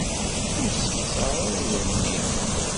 Ur ssexṣar ara idrimen-nnem.